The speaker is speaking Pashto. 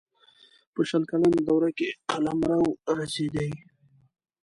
په شل کلنه دوره کې قلمرو رسېدی.